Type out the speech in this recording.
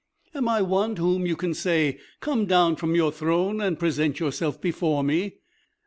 Am I one to whom you can say, 'Come down from your throne, and present yourself before me?'